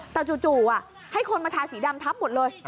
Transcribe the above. แต่จู่ให้คนมาทาสีดำทับหมดเลย